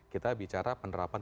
kita bicara penerapan